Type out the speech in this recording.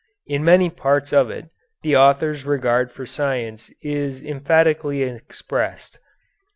In many parts of it the authors' regard for science is emphatically expressed.